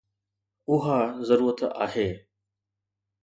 اها ضرورت آهي